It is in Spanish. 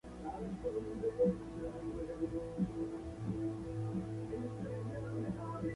Son nativas de Madagascar y las Islas Mascareñas.